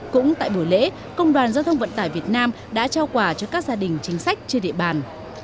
cũng tại buổi lễ công đoàn giao thông vận tải việt nam đã trao quà cho các gia đình chính sách trên địa bàn